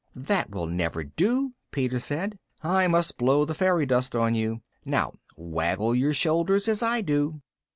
"That will never do," Peter said, "I must blow the fairy dust on you. Now waggle your shoulders as I do."